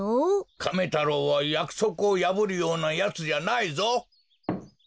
カメ太郎はやくそくをやぶるようなやつじゃないぞ！